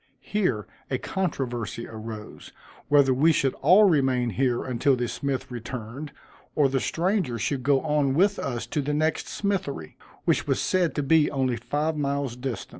Here a controversy arose, whether we should all remain here until the smith returned, or the stranger should go on with us to the next smithery, which was said to be only five miles distant.